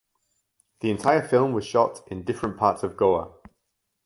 The entire film was shot in different parts of Goa.